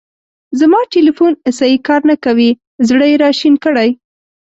زما تیلیفون سیی کار نه کوی. زړه یې را شین کړی.